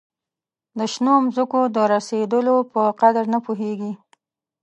د شنو مځکو د رسېدلو په قدر نه پوهیږي.